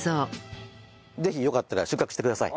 ぜひよかったら収穫してください。